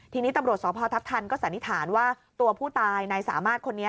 ทีนี้ตำรวจสพทัพทันก็สันนิษฐานว่าตัวผู้ตายนายสามารถคนนี้